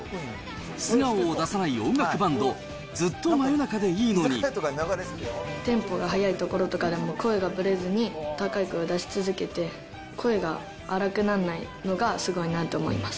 素顔を出さない音楽バンド、テンポが速いところとかでも声がぶれずに、高い声を出し続けて、声が荒くなんないのがすごいなと思います。